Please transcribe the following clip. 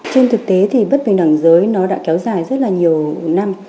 trên thực tế thì bất bình đẳng giới nó đã kéo dài rất là nhiều năm